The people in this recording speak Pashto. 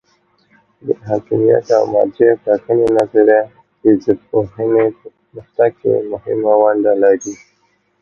د حاکمیت او مرجع ټاکنې نظریه د ژبپوهنې په پرمختګ کې مهمه ونډه لري.